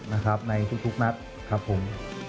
นะครับในทุกนัดครับผม